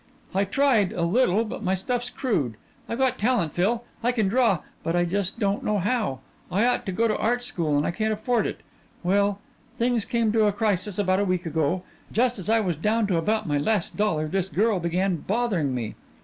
"I tried, a little, but my stuff's crude. I've got talent, Phil; I can draw but I just don't know how. I ought to go to art school and I can't afford it. Well, things came to a crisis about a week ago. Just as I was down to about my last dollar this girl began bothering me.